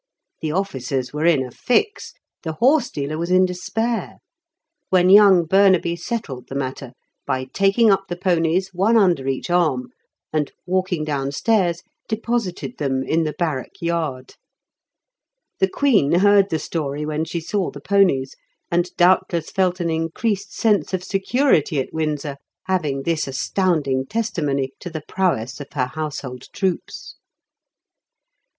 The officers were in a fix; the horsedealer was in despair; when young Burnaby settled the matter by taking up the ponies, one under each arm and, walking downstairs, deposited them in the barrack yard. The Queen heard the story when she saw the ponies, and doubtless felt an increased sense of security at Windsor, having this astounding testimony to the prowess of her Household Troops.